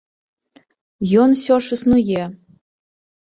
Ён усё ж існуе.